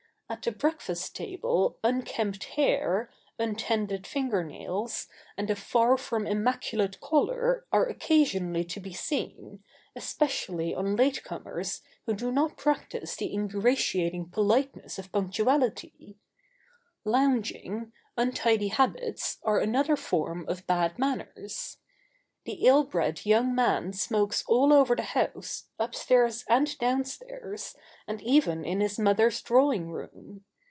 At the breakfast table unkempt hair, untended finger nails, and a far from immaculate collar are occasionally to be seen, especially on late comers who do not practise the ingratiating politeness of punctuality. Lounging, untidy habits are another form of bad manners. The ill bred young man smokes [Sidenote: The ill bred young man at home.] all over the house, upstairs and downstairs, and even in his mother's drawing room.